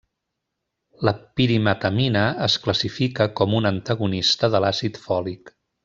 La pirimetamina es classifica com un antagonista de l'àcid fòlic.